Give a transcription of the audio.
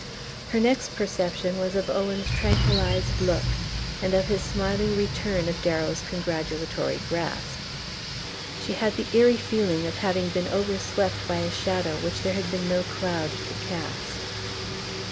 Her next perception was of Owen's tranquillized look, and of his smiling return of Darrow's congratulatory grasp. She had the eerie feeling of having been overswept by a shadow which there had been no cloud to cast...